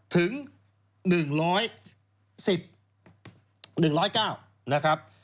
ถึง๑๑๑๐๙นะครับ